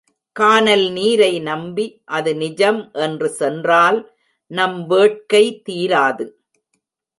கானல்நீரை நம்பி, அது நிஜம் என்று சென்றால் நம் வேட்கை தீராது.